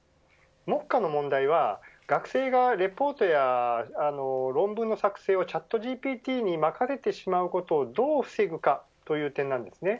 目下の問題は、学生がレポートや論文の作成をＣｈａｔＧＰＴに任せてしまうことをどう防ぐかという点なんですね。